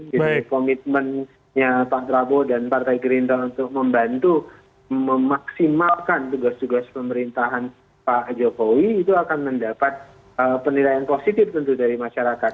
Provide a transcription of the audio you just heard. komitmennya pak prabowo dan partai gerindra untuk membantu memaksimalkan tugas tugas pemerintahan pak jokowi itu akan mendapat penilaian positif tentu dari masyarakat